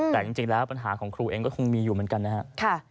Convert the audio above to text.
แต่จริงแล้วปัญหาของครูเองก็คงมีอยู่เหมือนกันนะครับ